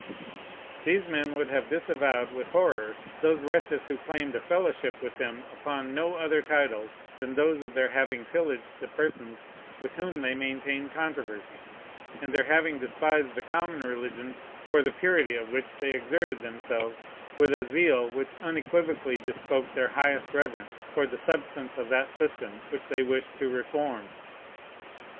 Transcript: These men would have disavowed with horror those wretches who claimed a fellowship with them upon no other titles than those of their having pillaged the persons with whom they maintained controversies, and their having despised the common religion, for the purity of which they exerted themselves with a zeal which unequivocally bespoke their highest reverence for the substance of that system which they wished to reform.